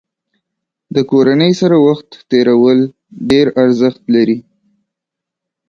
د کورنۍ سره وخت تېرول ډېر ارزښت لري.